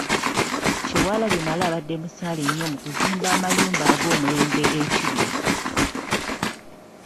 Kyewalabye Male abadde musaale nnyo mu kuzimba amayumba ag’omulembe e Kigo.